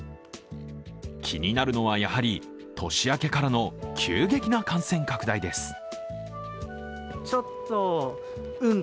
気になるのはやはり、年明けからの急激な感染拡大です。